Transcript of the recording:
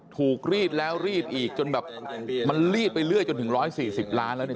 ถูกรีดแล้วรีดอีกจนแบบมันรีดไปเรื่อยจนถึงร้อยสี่สิบล้านแล้วเนี้ย